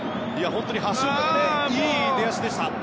橋岡、いい出足でしたね。